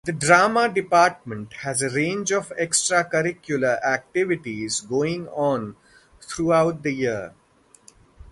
The Drama department has a range of extracurricular activities going on throughout the year.